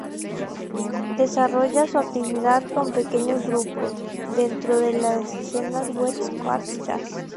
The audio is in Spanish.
Desarrolla su actividad con pequeños grupos, dentro de la escena West Coast jazz.